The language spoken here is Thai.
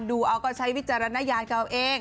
ดูเอาก็ใช้วิจารณญาณกับเอาเอง